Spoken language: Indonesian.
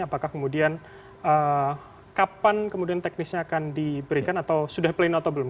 apakah kemudian kapan kemudian teknisnya akan diberikan atau sudah pleno atau belum